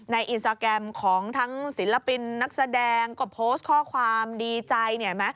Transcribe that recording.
ในอินสตาร์แกรมของทั้งศิลปินนักแสดงก็โพสต์ข้อความดีใจ